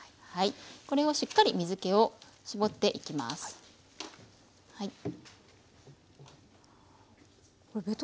これをしっかり水けを絞っていきます。